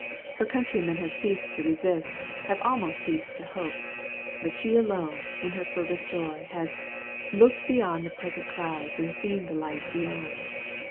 Her countrymen have ceased to resist, have almost ceased to hope; but she alone, in her fervent joy, has "looked beyond the present clouds and seen the light beyond."